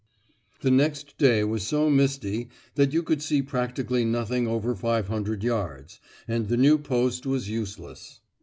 The next day was so misty that you could see practically nothing over five hundred yards, and the new post was useless.